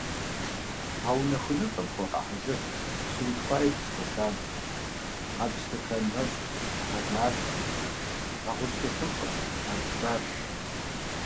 Гъэунэхуныгъэм хуэгъэхьэзыр псы утхъуа иту стэкан, абдж стэкан нэщӀ, гъэжалъэ, гъэгъущ тхылъымпӀэ, абдж баш.